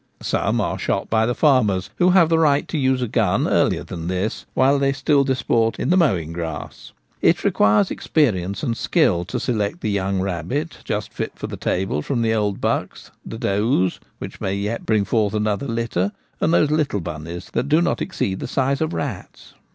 Some are shot by the farmers, who have the right to use a gun, earlier than this, while they still disport in the mowing grass. It requires experience and skill to select the young rabbit just fit for table from the old bucks, the does which may yet bring forth another litter, and those little bunnies that do not exceed the size of rats.